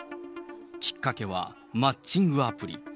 きっかけは、マッチングアプリ。